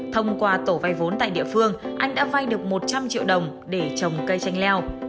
thông qua tổ vay vốn tại địa phương anh đã vay được một trăm linh triệu đồng để trồng cây tranh leo